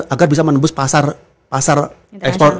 agar bisa menembus pasar ekspor